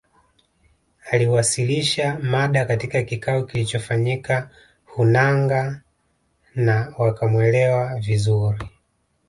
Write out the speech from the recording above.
Aliwasilisha mada katika kikao kilichofanyika Hanangâ na wakamwelewa vizuri